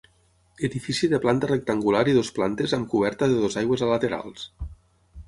Edifici de planta rectangular i dues plantes amb coberta de dues aigües a laterals.